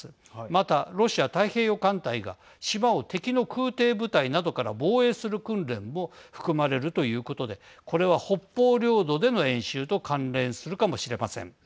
また、ロシア太平洋艦隊が島を敵の空挺部隊などから防衛する訓練も含まれるということでこれは北方領土での演習と関連するかもしれません。